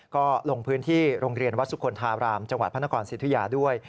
ก็ลงพื้นที่โรงเรียนวัดสุคลธารามจังหวัดพระนครสิทธิยาด้วย